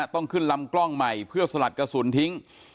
ต้องขึ้นลำกล้องใหม่เพื่อสลัดกระสุนทิ้ง